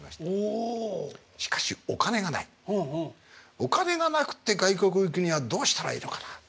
お金がなくって外国行くにはどうしたらいいのかな。